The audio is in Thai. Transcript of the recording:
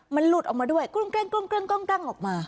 มันหลุดออกมาด้วยกรุ่งกรั่งกรั่งออกมา